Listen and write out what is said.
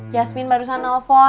yasmin barusan nelfon